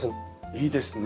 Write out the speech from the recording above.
いいですね